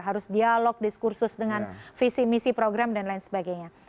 harus dialog diskursus dengan visi misi program dan lain sebagainya